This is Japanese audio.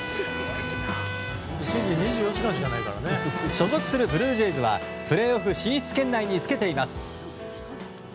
所属するブルージェイズはプレーオフ進出圏内につけています。